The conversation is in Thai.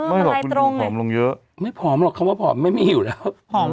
ไม่หรอกคุณดูผอมลงเยอะไม่ผอมหรอกคำว่าผอมไม่มีอยู่แล้ว